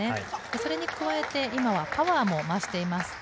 それに加えて今はパワーもましています。